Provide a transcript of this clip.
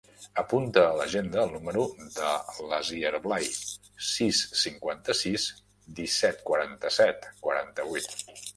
Apunta a l'agenda el número de l'Asier Blay: sis, cinquanta-sis, disset, quaranta-set, quaranta-vuit.